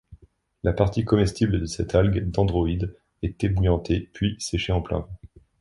La partie comestible de cette algue dendroïde est ébouillantée, puis séchée en plein vent.